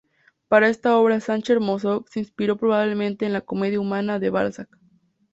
Para esta obra Sacher-Masoch se inspiró probablemente en "La comedia humana" de Balzac.